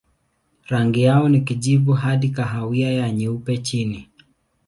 Rangi yao ni kijivu hadi kahawia na nyeupe chini.